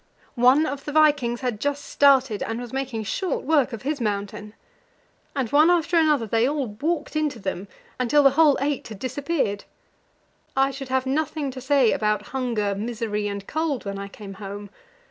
one of the vikings had just started, and was making short work of his mountain. And one after another they all walked into them, until the whole eight had disappeared. I should have nothing to say about hunger, misery, and cold, when I came hone.